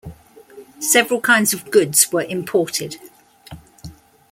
Several kinds of goods were imported.